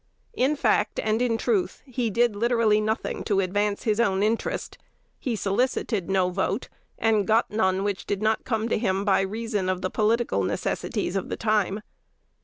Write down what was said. In fact and in truth, he did literally nothing to advance his own interest: he solicited no vote, and got none which did not come to him by reason of the political necessities of the time.